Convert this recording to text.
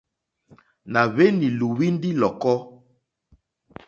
Nà hwenì lùwindi lɔ̀kɔ.